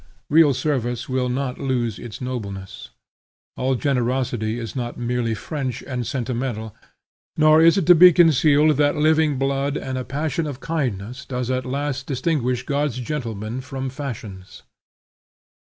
Real service will not lose its nobleness. All generosity is not merely French and sentimental; nor is it to be concealed that living blood and a passion of kindness does at last distinguish God's gentleman from Fashion's.